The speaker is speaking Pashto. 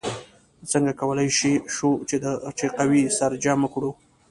څنګه کولی شو چې قوې سره جمع کړو؟